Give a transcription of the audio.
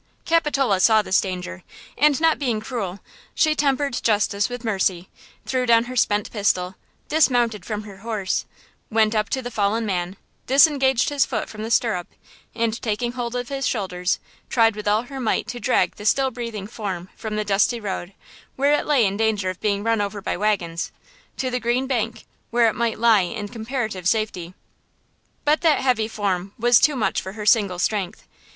Capitol saw this danger, and not being cruel, she tempered justice with mercy, threw down her spent pistol, dismounted from her horse, went up to the fallen man, disengaged his foot from the stirrup, and, taking hold of his shoulders, tried with all her might to drag the still breathing form from the dusty road where it lay in danger of being run over by wagons, to the green bank, where it might lie in comparative safety. But that heavy form was too much for her single strength.